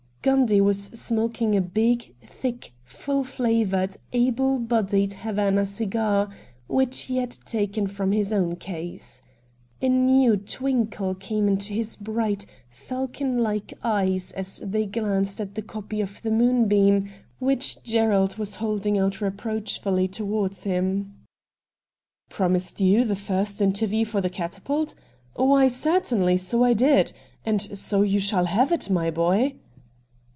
Gundy was smoking a big, thick, full flavoured, able bodied Havana cigar, which he had taken from his own case. A new twinkle came into his bright, falcon like eyes as they glanced at the copy of the ' Moonbeam ' which AN INTERVIEW WITH MR. RATT GUNDY 223 Gerald was holding out reproachfully towards him. ' Promised you the first interview for the " Catapult "? Why, certainly, so I did And so you shall have it, my boy.'